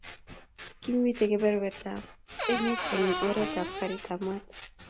kimitei kebertab ribik ab emet eng oretab garitab mat